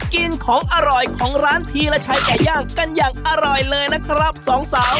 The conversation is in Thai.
กินของอร่อยของร้านธีรชัยไก่ย่างกันอย่างอร่อยเลยนะครับสองสาว